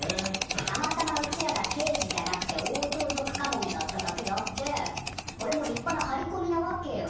たまたまうちらがけいじじゃなくてオオトウゾクカモメだっただけであってこれも立派な張りこみなわけよ。